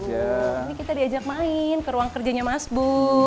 ini kita diajak main ke ruang kerjanya mas bu